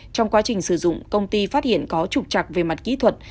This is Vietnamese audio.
trong quá trình sử dụng công ty phát hiện có trục chặt về mặt kỹ thuật